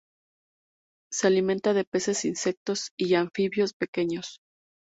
Se alimentan de peces, insectos y anfibios pequeños.